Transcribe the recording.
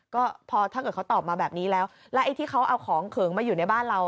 ก็พอถ้าเกิดเขาตอบมาแบบนี้แล้วแล้วไอ้ที่เขาเอาของเขิงมาอยู่ในบ้านเรา